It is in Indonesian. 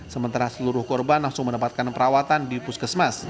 sementara seluruh korban langsung mendapatkan perawatan di puskesmas